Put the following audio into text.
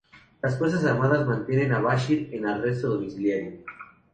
Las Fuerzas Armadas mantienen a Bashir en arresto domiciliario.